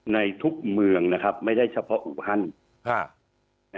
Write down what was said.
ในทุกเมืองนะครับไม่ได้เฉพาะอูฮัน